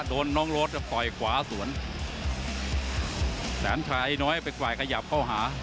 โดนน้องโรดต่อยขวาสวนแสนชัยน้อยไปกว่าขยับเข้าหา